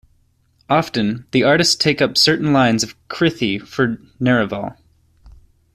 Often, the artists take up certain lines of a Krithi for "neraval".